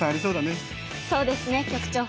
そうですね局長。